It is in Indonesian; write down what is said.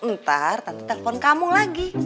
ntar nanti telepon kamu lagi